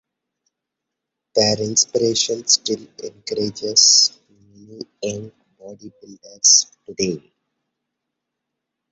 Their inspiration still encourages many young bodybuilders today.